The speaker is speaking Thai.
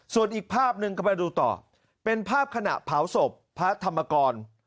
ส่วนอีกภาพหนึ่งก็มาดูต่อเป็นภาพขณะเผาศพพระธรรมกร